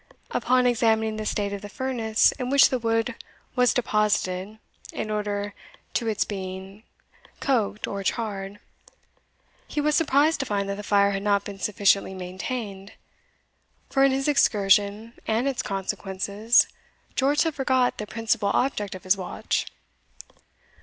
Upon examining the state of the furnace in which the wood was deposited in order to its being coked or charred, he was surprised to find that the fire had not been sufficiently maintained; for in his excursion and its consequences, George had forgot the principal object of his watch.